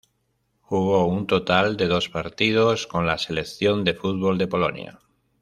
Jugó un total de dos partidos con la selección de fútbol de Polonia.